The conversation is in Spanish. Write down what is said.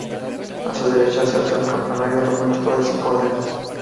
A su derecha se alza un campanario románico de cinco órdenes.